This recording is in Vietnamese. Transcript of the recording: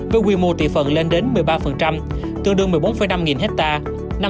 với quy mô thị phần lên đến một mươi ba tương đương một mươi bốn năm nghìn ha